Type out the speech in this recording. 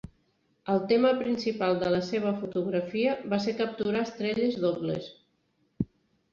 El tema principal de la seva fotografia va ser capturar estrelles dobles.